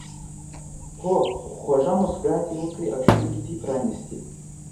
هو خوږه موسکا دې وکړه او شونډې دې پرانیستې.